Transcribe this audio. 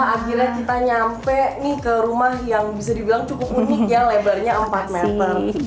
akhirnya kita nyampe nih ke rumah yang bisa dibilang cukup unik ya lebarnya empat meter